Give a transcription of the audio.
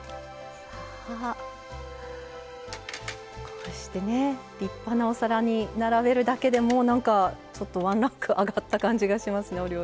こうしてね立派なお皿に並べるだけでもうなんかちょっとワンランク上がった感じがしますねお料理。